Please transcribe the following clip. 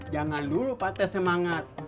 jangan dulu pate semangat